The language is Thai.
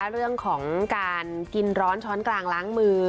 เรื่องของการกินร้อนช้อนกลางล้างมือ